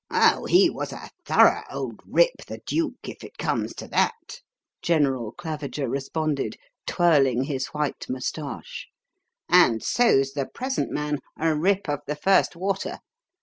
"Oh, he was a thorough old rip, the duke, if it comes to that," General Claviger responded, twirling his white moustache. "And so's the present man a rip of the first water.